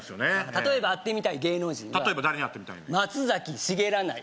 例えば会ってみたい芸能人は例えば誰に会ってみたいねん松崎しげらない